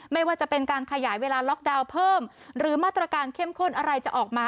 ไม่ว่าจะเป็นการขยายเวลาล็อกดาวน์เพิ่มหรือมาตรการเข้มข้นอะไรจะออกมา